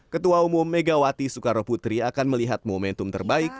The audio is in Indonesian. ketua umum megawati soekaroputri akan melihat momentum terbaik